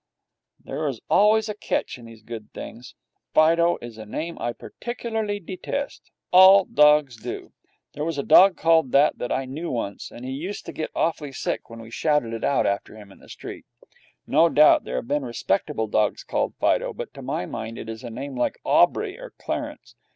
There's always a catch in these good things. Fido is a name I particularly detest. All dogs do. There was a dog called that that I knew once, and he used to get awfully sick when we shouted it out after him in the street. No doubt there have been respectable dogs called Fido, but to my mind it is a name like Aubrey or Clarence.